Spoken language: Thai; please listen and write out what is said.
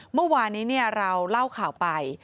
เมื่อวานนี้เราเล่าข่าวไป